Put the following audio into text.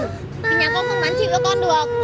thì nhà con không bán chịu cho con được